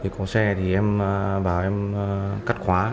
có xe thì em bảo em cắt khóa